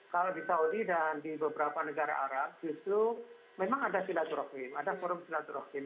kalau di saudi dan di beberapa negara arab justru memang ada shilatul rahim ada forum shilatul rahim